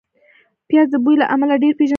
پیاز د بوی له امله ډېر پېژندل کېږي